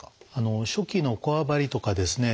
初期のこわばりとかですね